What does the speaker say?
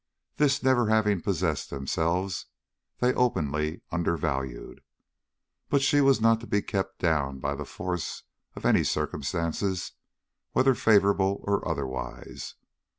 This never having possessed themselves, they openly undervalued. But she was not to be kept down by the force of any circumstances, whether favorable or otherwise.